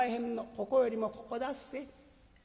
ここよりもここだっせ。